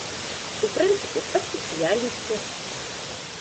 У прынцыпе, па спецыяльнасці.